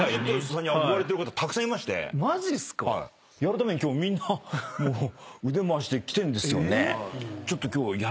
マジっすか⁉やるために今日みんな腕回して来てんですよね。